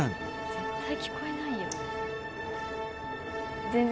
絶対聞こえないよ。